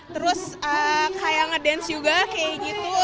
terus kayak ngedance juga kayak gitu